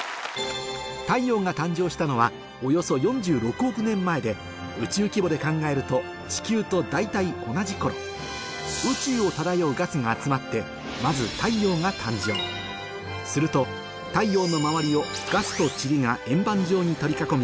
太陽が誕生したのはおよそ４６億年前で宇宙規模で考えると地球と大体同じ頃宇宙を漂うガスが集まってまず太陽が誕生すると太陽の周りをガスとちりが円盤状に取り囲み